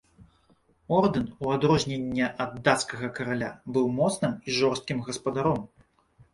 Ордэн, у адрозненне дацкага караля, быў моцным і жорсткім гаспадаром.